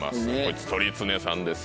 鳥つねさんです。